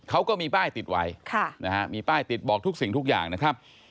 เขาก็มีป้ายติดไว้มีป้ายติดบอกทุกสิ่งทุกอย่างนะครับ